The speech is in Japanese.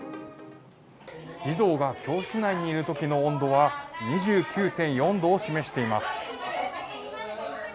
児童が教室内にいるときの温度は２９．４度を示しています。